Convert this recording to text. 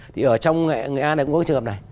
thì ở trong nghệ an này cũng có trường hợp này